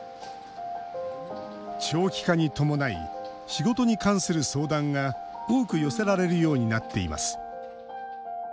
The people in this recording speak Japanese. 長期化に伴い仕事に関する相談が多く寄せられるようになっています。